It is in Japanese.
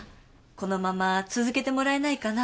このまま続けてもらえないかな？